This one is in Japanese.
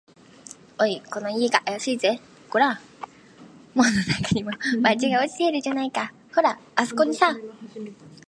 「おい、この家があやしいぜ。ごらん、門のなかにも、バッジが落ちているじゃないか。ほら、あすこにさ」